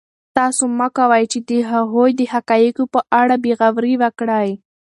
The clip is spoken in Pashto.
تاسو مه کوئ چې د هغوی د حقایقو په اړه بې غوري وکړئ.